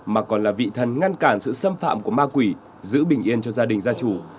mà còn là vị thần ngăn cản sự xâm phạm của ma quỷ giữ bình yên cho gia đình gia chủ